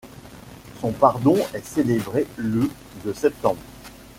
Son pardon est célébré le de septembre.